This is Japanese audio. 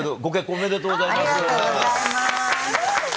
ありがとうございます。